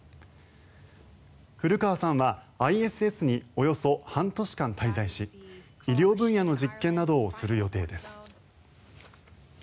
古川さんはＩＳＳにおよそ半年間滞在し医療分野の実験などをする予定です。